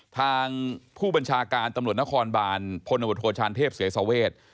๑๐๐ทางผู้บัญชาการตำรวจนครบานพบศาลเทพศัลเวทย์